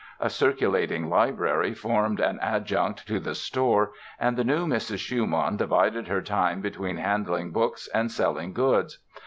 A circulating library formed an adjunct to the store and the new Mrs. Schumann divided her time between handling books and selling goods.